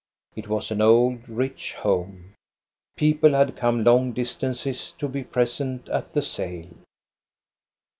It was an old, rich home. People had come long distances to be present at the sale.